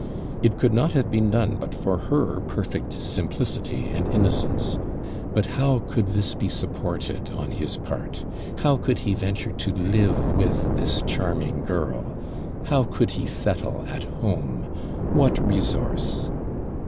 It could not have been done but for her perfect simplicity and innocence. But how could this be supposed on his part? How could he venture to live with this charming girl? How could he settle at home? What resource?